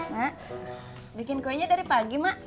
mak bikin kuenya dari pagi mak